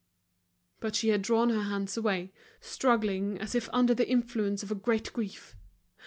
But she had drawn her hands away, struggling as if under the influence of a great grief.